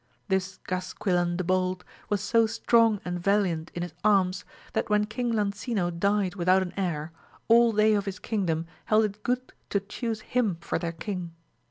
This Gasquilan the Bold was so strong and valiant in arms, that when King Lancino died without an heir, all they of his kingdom held it good to chuse him for their king.